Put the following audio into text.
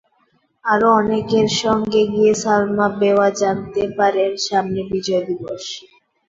আরও অনেকের সঙ্গে গিয়ে সালমা বেওয়া জানতে পারেন, সামনে বিজয় দিবস।